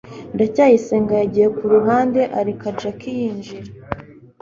ndacyayisenga yagiye ku ruhande areka jaki yinjira